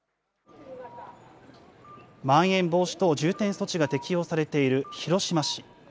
まん延防止等重点措置が適用されている広島市。